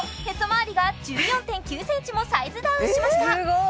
まわりが１４．９ｃｍもサイズダウンしました